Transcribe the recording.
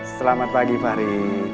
selamat pagi fahri